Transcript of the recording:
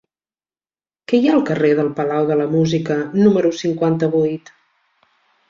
Què hi ha al carrer del Palau de la Música número cinquanta-vuit?